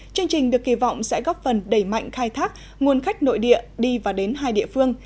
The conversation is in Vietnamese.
chương trình được kỳ vọng sẽ góp phần đẩy mạnh khai thác nguồn khách nội địa đi và đến hai địa phương